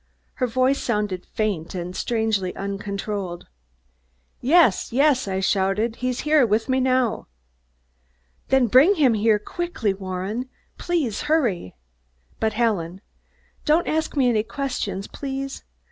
Her voice sounded faint and strangely uncontrolled. "Yes yes," I shouted. "He's here with me now." "Then bring him here quickly, Warren! Please hurry." "But, Helen " "Don't ask me any questions, please."